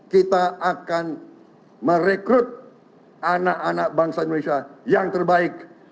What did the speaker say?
kita akan merekrut anak anak bangsa indonesia yang terbaik